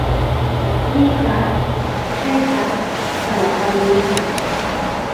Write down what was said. นี่ครับ ใช่ครับ สำหรับตอนนี้นะ